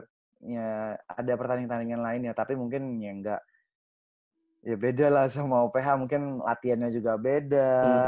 terus ya ada pertandingan pertandingan lainnya tapi mungkin yang nggak ya beda lah sama oph mungkin latihannya juga beda